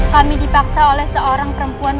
kami dipaksa oleh seorang perempuan